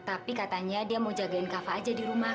tapi katanya dia mau jagain kava aja di rumah